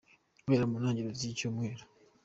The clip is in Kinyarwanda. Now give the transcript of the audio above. Guhera mu ntangiriro z’iki Cyumweru.